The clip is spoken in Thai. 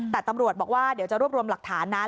แต่ตำรวจบอกว่าเดี๋ยวจะรวบรวมหลักฐานนั้น